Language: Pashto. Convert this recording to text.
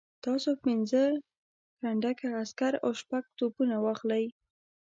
تاسو پنځه کنډکه عسکر او شپږ توپونه واخلئ.